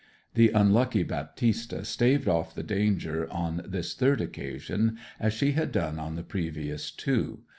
The unlucky Baptista staved off the danger on this third occasion as she had done on the previous two.